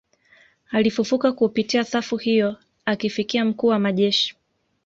Alifufuka kupitia safu hiyo akifikia mkuu wa majeshi